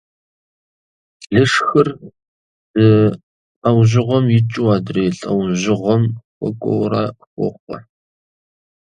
Лышхыр зы лӀэужьыгъуэм икӀыу адрей лӀэужьыгъуэм хуэкӀуэурэ хохъуэ.